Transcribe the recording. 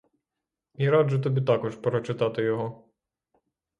І раджу тобі також прочитати його.